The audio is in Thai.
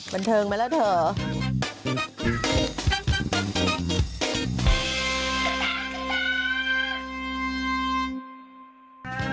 บันเทิงมาแล้วเถอะ